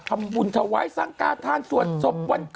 ทำบุญทวายสร้างกาททานสวดสบวัน